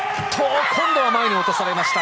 今度は前に落とされました。